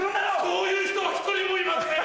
そういう人は１人もいません！